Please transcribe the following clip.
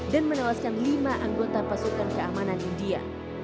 dan menewaskan lima anggota pasukan keamanan india